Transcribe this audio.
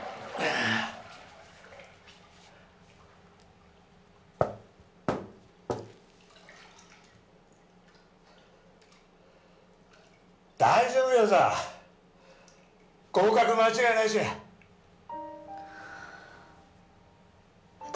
あ大丈夫やさ合格間違いなしや私